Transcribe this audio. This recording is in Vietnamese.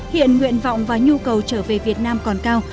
hiện nguyện vọng và nhu cầu trở về việt nam còn cao